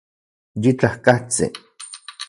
Yitlajkatsin